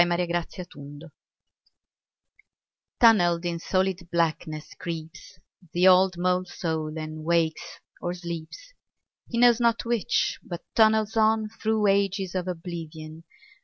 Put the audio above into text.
L. HUXLEY {BALLIOL) MOLE TUNNELLED in solid blackness creeps, The old mole soul and wakes or sleeps, He knows not which, but tunnels on Through ages of oblivion.